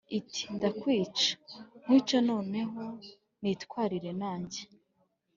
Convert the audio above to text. iti ndakwica, nkwice noneho nitwarire nanjye